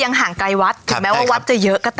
ห่างไกลวัดถึงแม้ว่าวัดจะเยอะก็ตาม